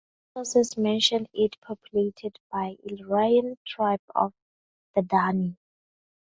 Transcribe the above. Newer sources mention it populated by the Illyrian tribe of Dardani.